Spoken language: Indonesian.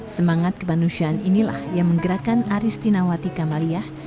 semangat kemanusiaan inilah yang menggerakkan aristinawati kamaliah